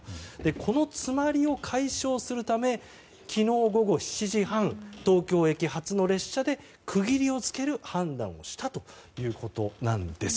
この詰まりを解消するため昨日午後７時半東京駅発の列車で区切りをつける判断をしたということです。